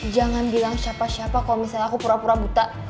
jangan bilang siapa siapa kalau misalnya aku pura pura buta